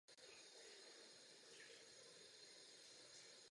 Sebevědomí Italové narazili na tvrdý odpor řeckých vojsk.